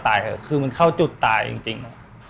ตายค่ะคือเข้าจุดตายจริง